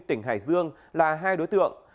tỉnh hải dương là hai đối tượng